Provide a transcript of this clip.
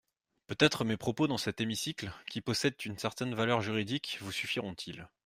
Peut-être mes propos dans cet hémicycle, qui possèdent une certaine valeur juridique, vous suffiront-ils.